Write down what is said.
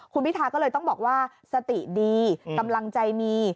คุณพิทาก็เลยต้องบอกว่าสติดีกำลังใจมี